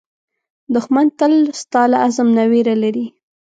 دښمن تل ستا له عزم نه وېره لري